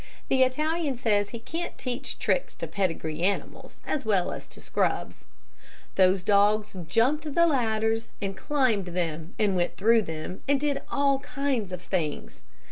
The Italian says he can't teach tricks to pedigree animals as well as to scrubs. Those dogs jumped the ladders, and climbed them, and went through them, and did all kinds of things.